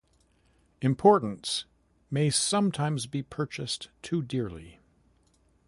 Importance may sometimes be purchased too dearly.